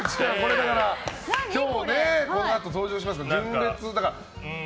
今日、このあと登場しますけど純烈ね。